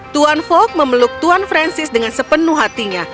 tuan fok memeluk tuan francis dengan sepenuh hatinya